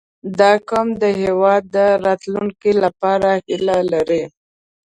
• دا قوم د هېواد د راتلونکي لپاره هیله لري.